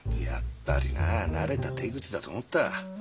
やっぱりな慣れた手口だと思った。